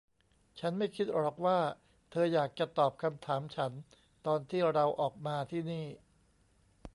ฉันไม่คิดหรอกว่าเธออยากจะตอบคำถามฉันตอนที่เราออกมาที่นี่